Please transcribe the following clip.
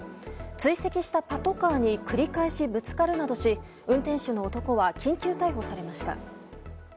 追跡したパトカーに繰り返しぶつかるなどし運転手の男は緊急逮捕されました。